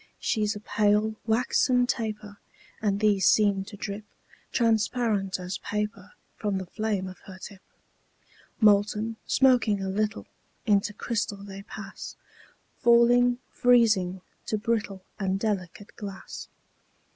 She's a pale, waxen taper; And these seem to drip Transparent as paper From the flame of her tip. Molten, smoking a little, Into crystal they pass; Falling, freezing, to brittle And delicate glass.